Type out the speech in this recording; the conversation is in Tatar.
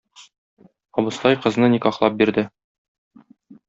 Абыстай кызны никахлап бирде.